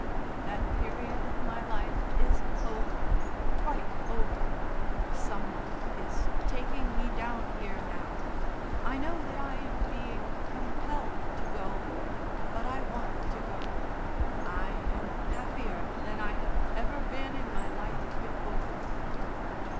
"That period of my life is over, quite over.... Some one is taking me down here now I know that I am being compelled to go. But I want to go. I am happier than I have ever been in my life before."